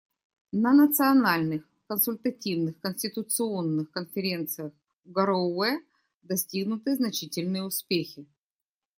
На национальных консультативных конституционных конференциях в Гароуэ достигнуты значительные успехи.